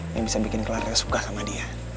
yang bisa bikin keluarga suka sama dia